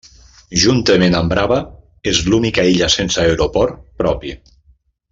Juntament amb Brava, és l'única illa sense aeroport propi.